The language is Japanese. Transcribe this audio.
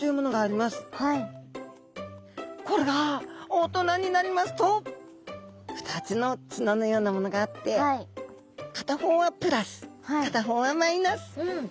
これが大人になりますと２つの角のようなものがあって片方はプラス片方はマイナス。